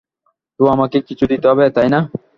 তো আমাকে কিছু দিতে হবে, তাই না?